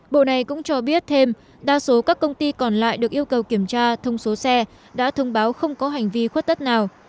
bộ này cũng cho biết thêm đa số các công ty còn lại được yêu cầu kiểm tra thông số xe đã thông báo không có hành vi khuất tất nào